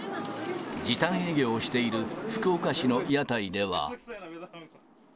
時短営業をしている福岡市の屋台では。